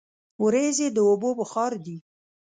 وریځې د اوبو بخار دي.